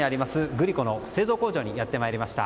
グリコの製造工場にやってまいりました。